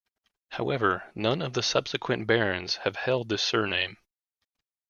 However, none of the subsequent barons have held this surname.